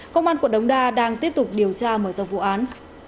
công an quận đống đa đang tiếp tục điều tra mở rộng vụ án